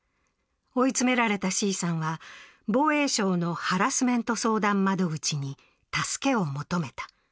追い詰められたＣさんは防衛省のハラスメント相談窓口に助けを求めた。